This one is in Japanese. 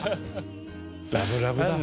ラブラブだ。